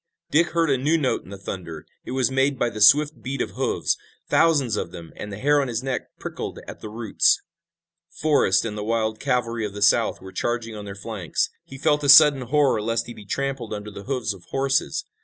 Dick heard a new note in the thunder. It was made by the swift beat of hoofs, thousands of them, and the hair on his neck prickled at the roots. Forrest and the wild cavalry of the South were charging on their flanks. He felt a sudden horror lest he be trampled under the hoofs of horses.